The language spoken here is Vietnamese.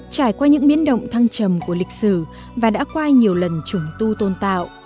trải qua những biến động thăng trầm của lịch sử và đã quay nhiều lần chủng tu tôn tạo